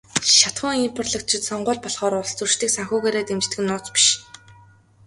Шатахуун импортлогчид сонгууль болохоор л улстөрчдийг санхүүгээр дэмждэг нь нууц биш.